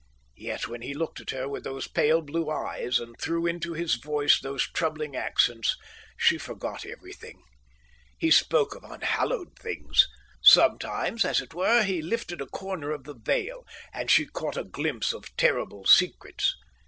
Yet when he looked at her with those pale blue eyes, and threw into his voice those troubling accents, she forgot everything. He spoke of unhallowed things. Sometimes, as it were, he lifted a corner of the veil, and she caught a glimpse of terrible secrets.